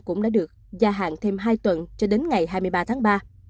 cũng đã được gia hạn thêm hai tuần cho đến ngày hai mươi ba tháng ba